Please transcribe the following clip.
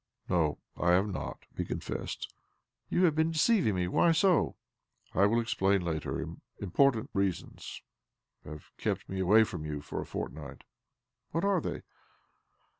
" No — I have not," he confessed. " You have been deceiving me ? Why so?" " I will explain later. Important reasons have kept me away from you for a fort night." "What are they?"